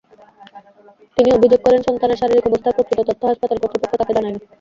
তিনি অভিযোগ করেন, সন্তানের শারীরিক অবস্থার প্রকৃত তথ্য হাসপাতাল কর্তৃপক্ষ তাঁকে জানায়নি।